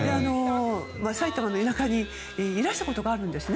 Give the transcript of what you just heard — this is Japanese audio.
埼玉の田舎にいらしたことがあるんですね。